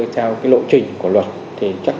theo cái lộ trình của luật